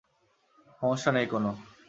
সমস্যা নেই কোনো।